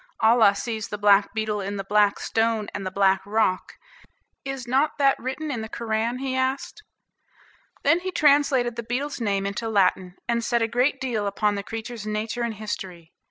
"Allah sees the black beetle in the black stone, and the black rock. Is not that written in the Koran?" he asked. Then he translated the beetle's name into Latin, and said a great deal upon the creature's nature and history.